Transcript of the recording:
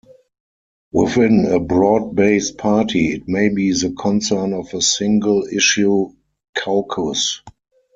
Within a broad-based party it may be the concern of a single-issue caucus.